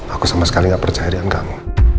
aku sama sekali gak percaya dengan kamu